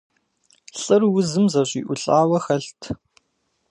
Лӏыр узым зэщӏиӏулӏауэ хэлът.